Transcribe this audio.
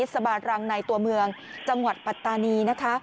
สังหวัดปรัตนีนะคะ